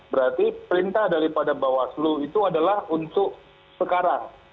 berarti perintah daripada bawaslu itu adalah untuk sekarang